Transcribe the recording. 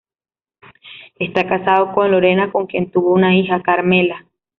Está casado con Lorena, con quien tuvo una hija, Carmela.